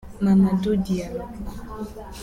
Mamadou Diallo